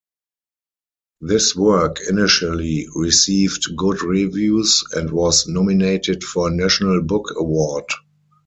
This work initially received good reviews and was nominated for a National Book Award.